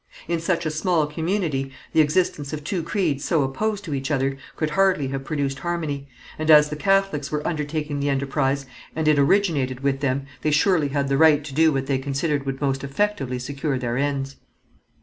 In such a small community the existence of two creeds so opposed to each other could hardly have produced harmony, and as the Catholics were undertaking the enterprise and it originated with them, they surely had the right to do what they considered would most effectively secure their ends.